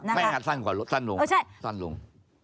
ไม่สั้นสั้นลง